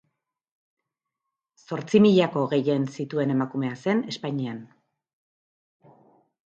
Zortzimilako gehien zituen emakumea zen Espainian.